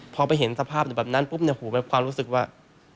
พอไปเห็นสภาพแบบนั้นปุ๊บเนี่ยหูแบบความรู้สึกว่า